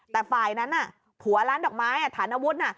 แต่ฝ่ายนั้นผัวร้านดอกไม้ธานวุฒิ